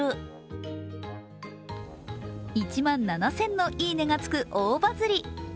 １万７０００のいいねがつく大バズり。